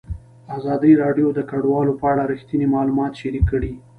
ازادي راډیو د کډوال په اړه رښتیني معلومات شریک کړي.